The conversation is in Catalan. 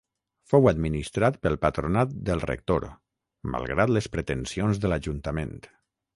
Fou administrat pel patronat del rector, malgrat les pretensions de l'Ajuntament.